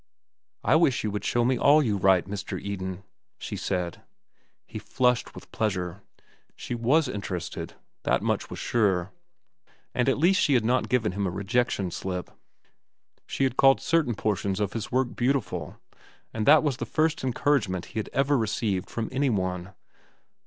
"I wish you would show me all you write, Mr. Eden," she said. He flushed with pleasure. She was interested, that much was sure. And at least she had not given him a rejection slip. She had called certain portions of his work beautiful, and that was the first encouragement he had ever received from any one.